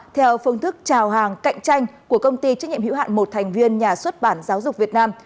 theo phương thức trào hàng cạnh tranh của công ty trách nhiệm hữu hạn một thành viên nhà xuất bản giáo dục việt nam